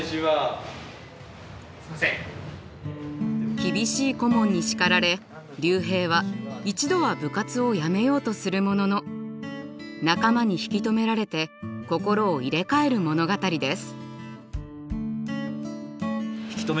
厳しい顧問に叱られリュウヘイは一度は部活をやめようとするものの仲間に引き止められて心を入れ替える物語です。